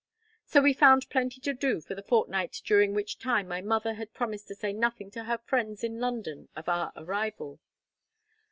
So we found plenty to do for the fortnight during which time my mother had promised to say nothing to her friends in London of our arrival.